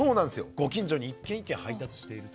ご近所に一軒一軒配達していると。